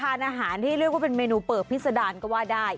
ทานอาหารที่เรียกว่าเป็นเมนูเปิบพิษดารก็ว่าได้